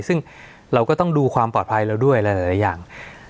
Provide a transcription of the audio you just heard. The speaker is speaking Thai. ซึ่งเราก็ต้องดูความปลอดภัยเราด้วยหลายอย่าง